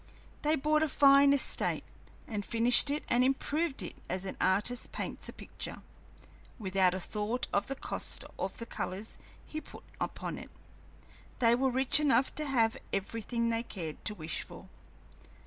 They bought a fine estate, and furnished it and improved it as an artist paints a picture, without a thought of the cost of the colors he puts upon it. They were rich enough to have everything they cared to wish for.